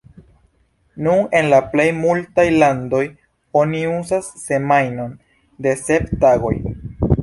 Nun en la plej multaj landoj oni uzas semajnon de sep tagoj.